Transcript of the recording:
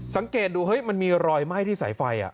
สังเกตดูเฮ้ยมันมีรอยไหม้ที่สายไฟ